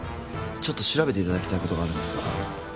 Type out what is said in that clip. ちょっと調べていただきたいことがあるんですが。